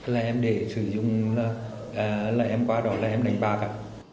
là em để sử dụng là em qua đó là em đánh bạc